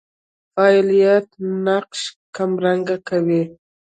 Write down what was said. فاعلیت نقش کمرنګه کوي.